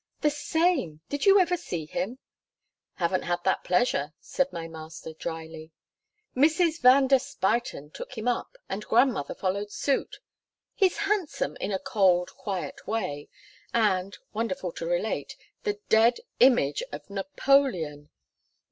"The same did you ever see him?" "Haven't had that pleasure," said my master dryly. "Mrs. van der Spyten took him up, and Grandmother followed suit. He's handsome in a cold, quiet way and, wonderful to relate the dead image of Napoleon."